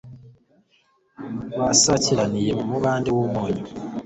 basakiraniye mu mubande w'umunyu,